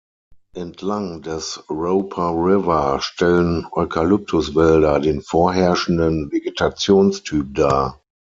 Entlang des Roper River stellen Eukalyptuswälder den vorherrschenden Vegetationstyp dar.